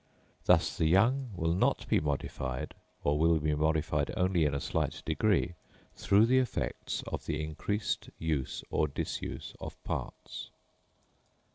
Thus the young will not be modified, or will be modified only in a slight degree, through the effects of the increased use or disuse of parts.